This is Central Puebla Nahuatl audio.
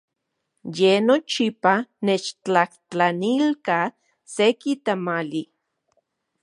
Ye nochipa nechtlajtlanilka seki tamali.